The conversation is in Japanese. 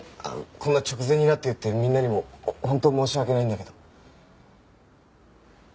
こんな直前になって言ってみんなにも本当申し訳ないんだけど。